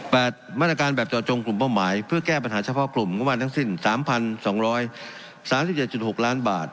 ๘มาตรการแบบต่อจงกลุ่มเป้าหมายเพื่อแก้ปัญหาเฉพาะกลุ่มกว่าทั้งสิ้น๓๒๓๗๖ล้านบาท